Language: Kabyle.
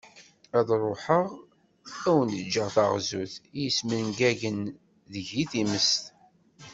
Ad ruḥeγ ad awen-ğğeγ taγzut i yesmengagen deg-i timest.